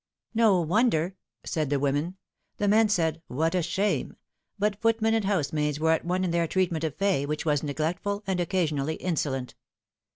" No wonder," said the women ; the men said " What a shame !" but footmen and housemaids were at one in their treatment of Fay, which was neglectful, and occasionally insolent.